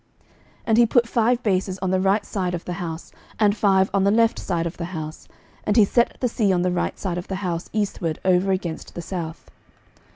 11:007:039 And he put five bases on the right side of the house, and five on the left side of the house: and he set the sea on the right side of the house eastward over against the south.